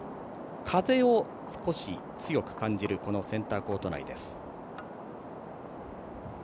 風を少し強く感じるセンターコート内です。